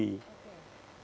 di luar negeri